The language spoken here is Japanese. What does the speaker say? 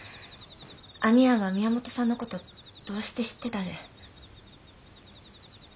兄やんは宮本さんの事どうして知ってたでえ？